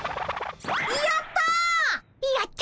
やった！